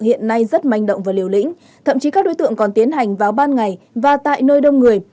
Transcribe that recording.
hiện nay rất manh động và liều lĩnh thậm chí các đối tượng còn tiến hành vào ban ngày và tại nơi đông người